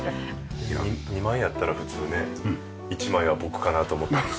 ２枚あったら普通ね１枚は僕かなと思ったんですけど。